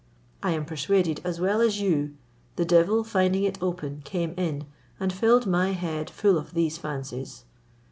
I am persuaded, as well as you, the devil finding it open came in, and filled my head full of these fancies.